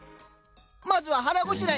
まずは腹ごしらえ！